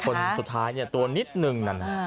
คนสุดท้ายเนี่ยตัวนิดหนึ่งนั่น